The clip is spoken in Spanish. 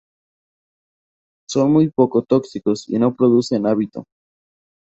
Son muy poco tóxicos y no producen hábito.